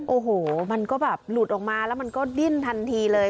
โอ้โหมันก็แบบหลุดออกมาแล้วมันก็ดิ้นทันทีเลย